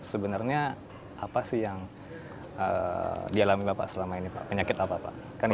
sebenarnya apa sih yang dialami bapak selama ini pak penyakit apa pak